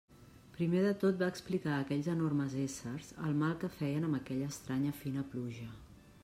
Primer de tot va explicar a aquells enormes éssers el mal que feien amb aquella estranya fina pluja.